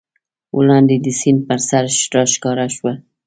وړاندې د سیند پر سر راښکاره شوه.